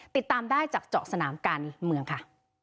ติดตามได้จากเจาะสนามการเมืองค่ะ